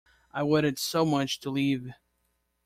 I wanted so much to live.